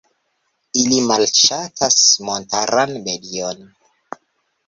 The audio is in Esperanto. Ili malŝatas montaran medion.